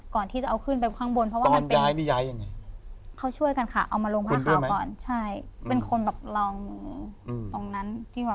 ก่อนที่จะเอาขึ้นออกไปข้างบน